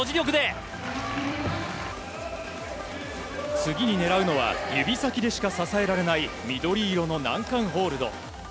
次に狙うのは指先でしか支えられない緑色の難関ホールド。